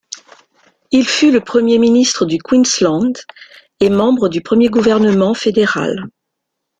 Il fut le premier ministre du Queensland et membre du premier gouvernement fédéral.